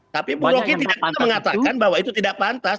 tapi bu rocky tidak pernah mengatakan bahwa itu tidak pantas